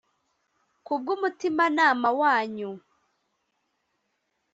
ku bw umutimanama wanyu